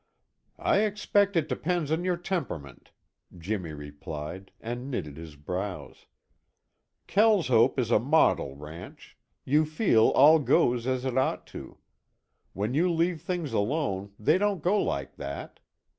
"I expect it depends on your temperament," Jimmy replied and knitted his brows. "Kelshope is a model ranch; you feel all goes as it ought to go. When you leave things alone, they don't go like that.